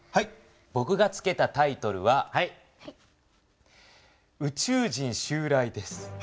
ぼくが付けたタイトルは「宇宙人襲来」です。